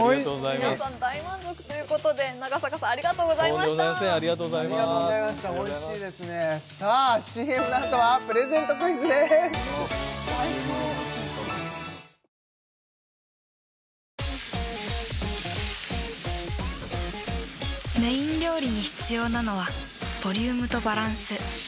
皆さん大満足ということで長坂さんありがとうございましたとんでもございませんありがとうございますさあＣＭの後はプレゼントクイズですメイン料理に必要なのはボリュームとバランス。